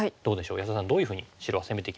安田さんどういうふうに白は攻めてきますかね？